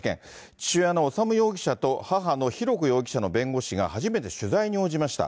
父親の修容疑者と母の浩子容疑者の弁護士が初めて取材に応じました。